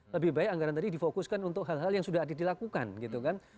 lebih baik anggaran tadi difokuskan untuk hal hal yang sudah dilakukan gitu kan